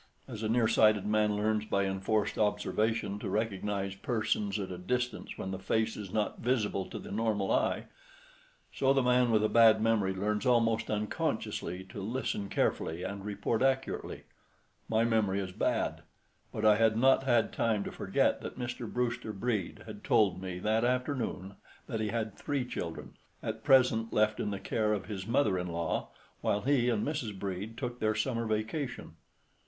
As a nearsighted man learns by enforced observation to recognize persons at a distance when the face is not visible to the normal eye, so the man with a bad memory learns, almost unconsciously, to listen carefully and report accurately. My memory is bad; but I had not had time to forget that Mr. Brewster Brede had told me that afternoon that he had three children, at present left in the care of his mother in law, while he and Mrs. Brede took their summer vacation.